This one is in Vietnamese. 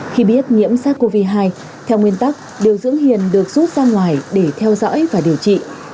khi biết nhiễm sars cov hai theo nguyên tắc điều dưỡng hiền được rút ra ngoài để theo dõi và điều trị